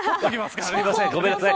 すいません、ごめんなさい。